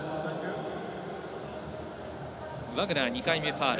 ワグナー２回目ファウル。